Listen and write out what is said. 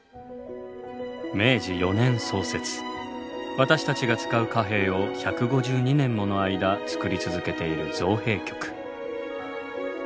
私たちが使う貨幣を１５２年もの間造り続けている造幣局。